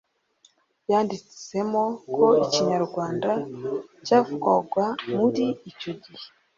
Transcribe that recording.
yanditsemo ko ikinyarwanda cyavugwaga muri icyo gihe